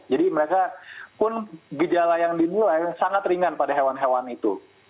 jadi mereka pun gejala yang dinilai sangat ringan pada hewan hewan itu